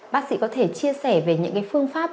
bác sĩ có thể chia sẻ về những phương pháp